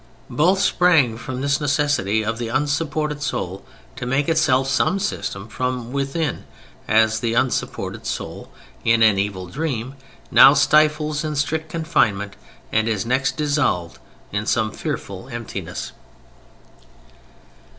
Both sprang from this necessity of the unsupported soul to make itself some system from within: as the unsupported soul, in an evil dream, now stifles in strict confinement and is next dissolved in some fearful emptiness.